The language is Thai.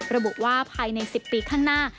ระบุว่าภายใน๑๐ปีข้างหน้า